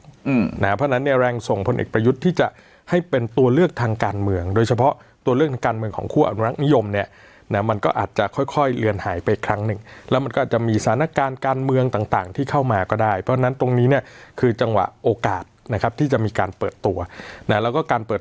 เพราะฉะนั้นเนี่ยแรงส่งพลเอกประยุทธ์ที่จะให้เป็นตัวเลือกทางการเมืองโดยเฉพาะตัวเลือกทางการเมืองของคู่อนุรักษ์นิยมเนี่ยนะมันก็อาจจะค่อยค่อยเลือนหายไปครั้งหนึ่งแล้วมันก็อาจจะมีสถานการณ์การเมืองต่างต่างที่เข้ามาก็ได้เพราะฉะนั้นตรงนี้เนี่ยคือจังหวะโอกาสนะครับที่จะมีการเปิดตัวนะแล้วก็การเปิด